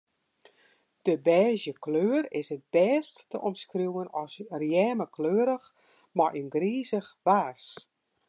De bêzje kleur is it bêst te omskriuwen as rjemmekleurich mei in grizich waas.